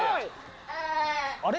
あれ？